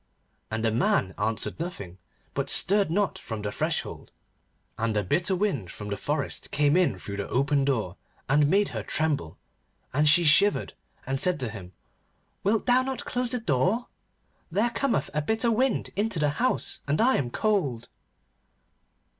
And the man answered nothing, but stirred not from the threshold. And a bitter wind from the forest came in through the open door, and made her tremble, and she shivered, and said to him: 'Wilt thou not close the door? There cometh a bitter wind into the house, and I am cold.